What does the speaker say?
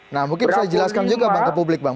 nah mungkin bisa dijelaskan juga bang ke publik bang